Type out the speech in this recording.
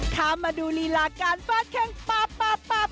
ข้ามมาดูรีลาการฟาดแข่งปาป